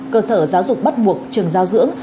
cơ sở giáo dục bắt buộc trường giao dưỡng